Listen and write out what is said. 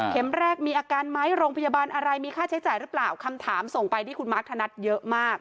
แรกมีอาการไหมโรงพยาบาลอะไรมีค่าใช้จ่ายหรือเปล่าคำถามส่งไปที่คุณมาร์คธนัดเยอะมาก